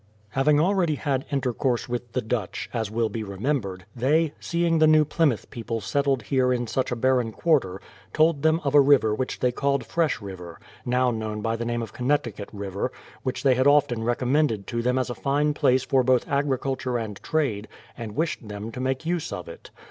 Having already had intercourse with the Dutch, as will be remembered, they, seeing the New Plymouth people settled here in such a barren quarter, told them of a river which they called Fresh River, now known by the name of Connecticut River, which they had often recommended to them as a fine place for both agriculture and trade, and wished them to make use of it.